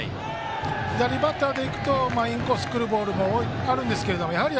左バッターでいくとインコースくるボールもあるんですけどやはり